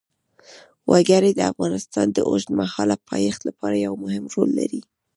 وګړي د افغانستان د اوږدمهاله پایښت لپاره یو مهم رول لري.